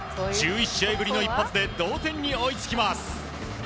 １１試合ぶりの一発で同点に追いつきます。